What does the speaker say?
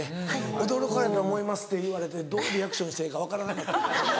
「驚かれたと思います」って言われてどうリアクションしてええか分からなかった。